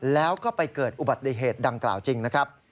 แล้วก็ไปเกิดอุบัติเหตุดังกล่าวจริงนะครับ